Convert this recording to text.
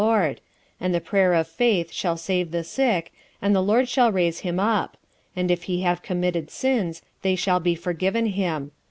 Lord; and the prayer of faith shall save him that is sick, and the Lord shall raise him up; and if he have committed sins, it shall be forgiven him.